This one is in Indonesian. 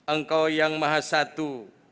engkau yang maha satu